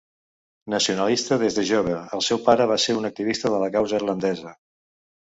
Nacionalista des de jove, el seu pare va ser un activista de la causa irlandesa.